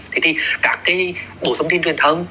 thế thì các cái bộ thông tin truyền thông